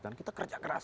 dan kita kerja keras